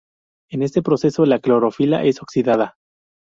En este proceso la clorofila es oxidada.